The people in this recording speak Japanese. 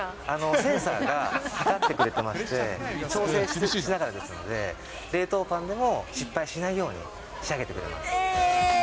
センサーが測ってくれてまして、調整しながらですので、冷凍パンでも失敗しないように、えー？